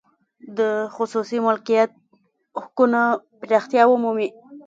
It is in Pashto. د خصوصي مالکیت حقونه پراختیا ومومي.